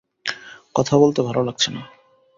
কথা বলতে ভালো লাগছে না।